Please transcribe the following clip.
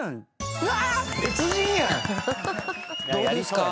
うわ。